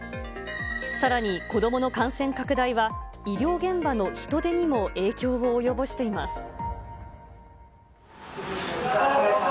さらに子どもの感染拡大は、医療現場の人手にも影響を及ぼしています。